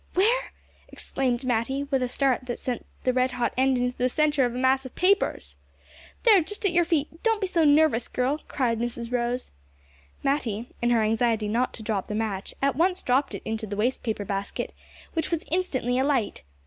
"Where?" exclaimed Matty with a start that sent the red hot end into the centre of a mass of papers. "There, just at your feet; don't be so nervous, girl!" cried Mrs Rose. Matty, in her anxiety not to drop the match, at once dropped it into the waste paper basket, which was instantly alight.